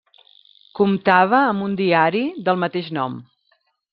Comptava amb un Diari del mateix nom.